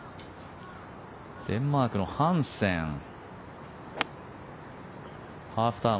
デンマークのハンセン。